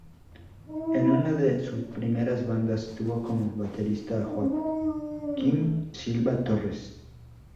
En una de sus primeras bandas, tuvo como baterista a Joaquim Silva Torres.